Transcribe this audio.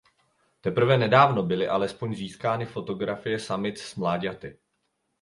Teprve nedávno byly alespoň získány fotografie samic s mláďaty.